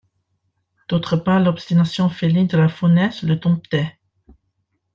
D'autre part, l'obstination féline de la faunesse le domptait.